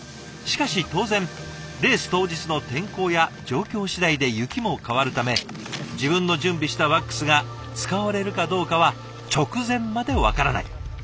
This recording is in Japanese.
しかし当然レース当日の天候や状況しだいで雪も変わるため自分の準備したワックスが使われるかどうかは直前まで分からない。